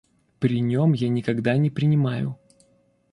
При нем я никогда не принимаю.